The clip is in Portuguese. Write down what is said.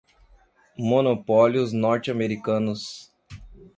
monopólios norte-americanos